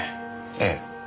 ええ。